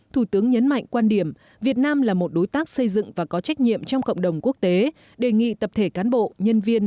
thủ tướng nhấn mạnh quan điểm việt nam là một đối tác xây dựng và có trách nhiệm trong cộng đồng quốc tế đề nghị tập thể cán bộ nhân viên